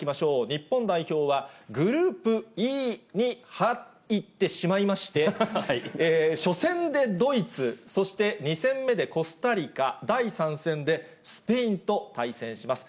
日本代表はグループＥに入ってしまいまして、初戦でドイツ、そして２戦目でコスタリカ、第３戦でスペインと対戦します。